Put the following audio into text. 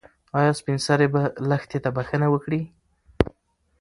ایا سپین سرې به لښتې ته بښنه وکړي؟